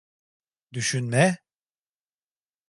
Düşünme…